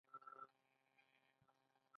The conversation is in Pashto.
خو نورو ژبو ته هم درناوی وکړو.